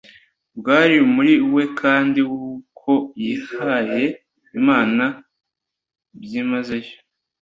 bwari muri we kandi ko yihaye Imana byimazeyo